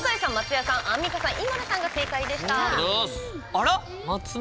あら？